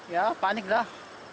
ya panik dah